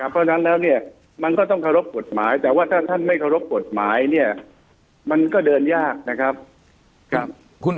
เพราะฉะนั้นแล้วเนี่ยมันก็ต้องเคารพกฎหมายแต่ว่าถ้าท่านไม่เคารพกฎหมายเนี่ยมันก็เดินยากนะครับ